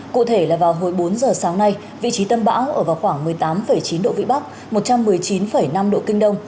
cụ thể là vào hồi bốn giờ sáng nay vị trí tâm bão ở vào khoảng một mươi tám chín độ vĩ bắc một trăm một mươi chín năm độ kinh đông